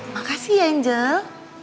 makasih ya angel